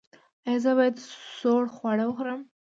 ایا زه باید سوړ خواړه وخورم؟